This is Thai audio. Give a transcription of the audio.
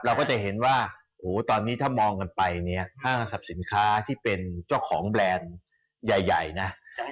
เราก็จะเห็นว่าตอนนี้ถ้ามองกันไปเนี่ยห้างสรรพสินค้าที่เป็นเจ้าของแบรนด์ใหญ่นะ